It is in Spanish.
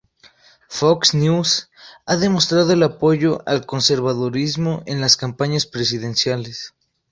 Fox News ha demostrado el apoyo al conservadurismo en las campañas presidenciales.